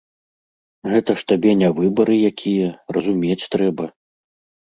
Гэта ж табе не выбары якія, разумець трэба.